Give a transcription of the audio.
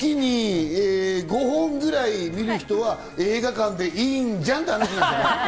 月に５本ぐらい見る人は映画館でいいんじゃ？という話。